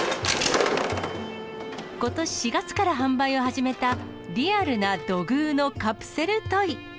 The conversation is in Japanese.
ことし４月から販売を始めた、リアルな土偶のカプセルトイ。